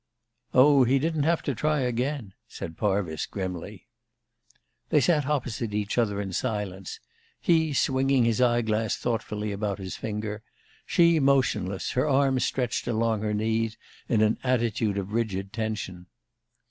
"Oh, he didn't have to try again," said Parvis, grimly. They sat opposite each other in silence, he swinging his eye glass thoughtfully about his finger, she, motionless, her arms stretched along her knees in an attitude of rigid tension.